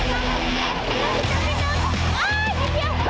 อีกแล้ว